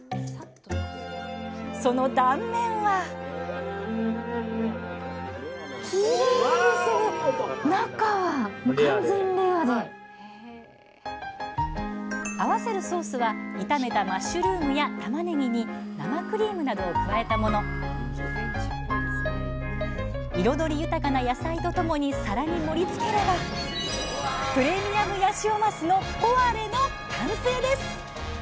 その断面は合わせるソースは炒めたマッシュルームやたまねぎに生クリームなどを加えたもの彩り豊かな野菜とともに皿に盛りつければプレミアムヤシオマスのポワレの完成です！